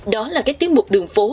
đó là các tiếng mục đường phố